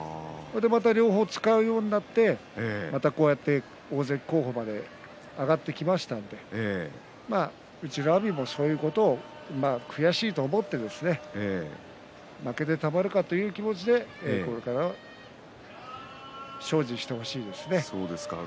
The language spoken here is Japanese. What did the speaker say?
両方を使うようになって大関候補まで上がってきましたのでうちの阿炎も、そういうことも悔しいと思って負けてたまるかという気持ちでこれから精進してほしいですね。